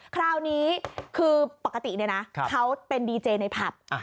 คราวนี้คือปกติเนี่ยนะเขาเป็นดีเจในผับ